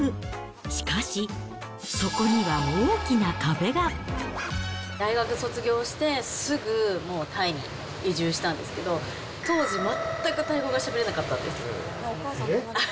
しかし、そこには大きな壁が。大学卒業してすぐ、もうタイに移住したんですけど、当時、全くタイ語がしゃべれなかったんです。